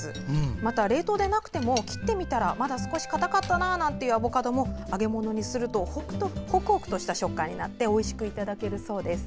また、冷凍でなくても切ってみたらまだ少しかたかったなんていうアボカドも揚げ物にするとホクホクとした食感になっておいしくいただけるそうです。